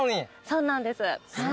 そうなんです。